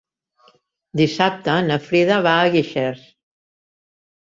Dissabte na Frida va a Guixers.